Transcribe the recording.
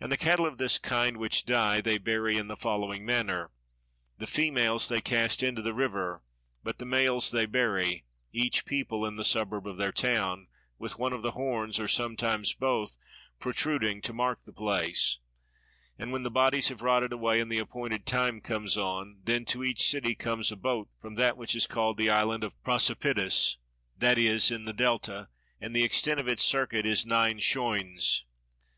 And the cattle of this kind which die they bury in the following manner: the females they cast into the river, but the males they bury, each people in the suburb of their town, with one of the horns, or sometimes both, protruding to mark the place; and when the bodies have rotted away and the appointed time comes on, then to each city comes a boat from that which is called the island of Prosopitis (this is in the Delta, and the extent of its circuit is nine schoines).